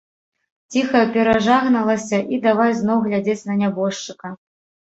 Ціха перажагналася і давай зноў глядзець на нябожчыка.